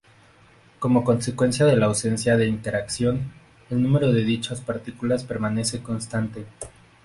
Como consecuencia de la ausencia de interacción, el número de dichas partículas permanece constante.